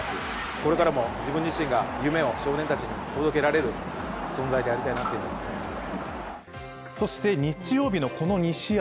これからも自分自身が夢を少年たちに届けられる存在でありたいなと思っています。